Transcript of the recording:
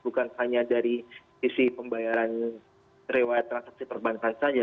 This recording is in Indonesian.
bukan hanya dari isi pembayaran reward transaksi perbankan saja